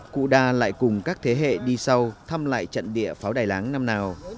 cụ đa lại cùng các thế hệ đi sau thăm lại trận địa pháo đài láng năm nào